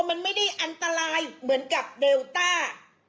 มันไม่ได้อันตรายเหมือนกับเดลต้า